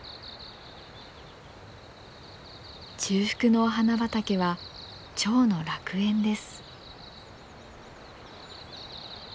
中腹のお花畑はチョウの楽園です。